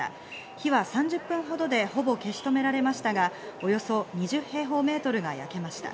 火は３０分ほどでほぼ消し止められましたが、およそ２０平方メートルが焼けました。